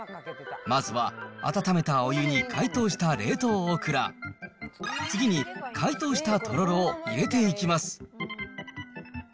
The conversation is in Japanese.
まずは温めたお湯に解凍した冷凍オクラ、次に解凍したトロロを入れていきます。